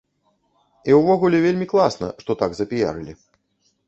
І ўвогуле вельмі класна, што так запіярылі.